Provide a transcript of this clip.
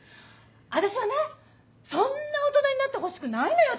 私はねそんな大人になってほしくないのよ